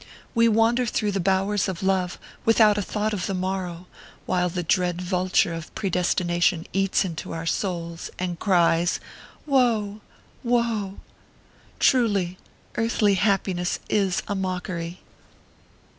We wander through the bowers of love without a thought of the morrow, while the dread vulture of predestination eats into our souls, and cries, wo ! wo ! Truly, earthly happiness is a mockery.